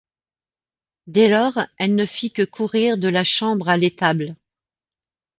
Dès lors, elle ne fit que courir de la chambre à l’étable.